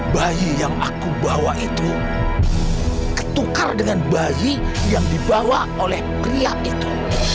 bayi yang aku bawa itu ketukar dengan bayi yang dibawa oleh pria itu